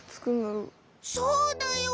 そうだよ！